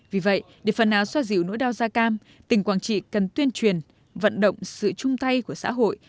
vì vậy để phần nào xoa dịu nỗi đau da cam tỉnh quảng trị cần tuyên truyền vận động sự chung tay của xã hội